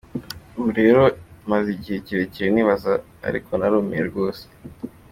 Ubu rero maze igihe kirekire nibaza ariko narumiwe rwose.